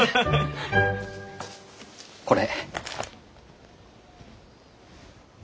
これ。